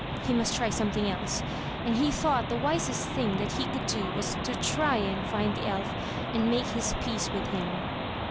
He must try something else. And he thought the wisest thing that he could do was to try to find the elf, and make his peace with him.